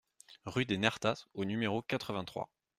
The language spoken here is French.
Rue des Nertas au numéro quatre-vingt-trois